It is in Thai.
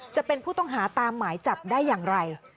จะเป็นผู้ต้องหาตามหมายจับได้อย่างไร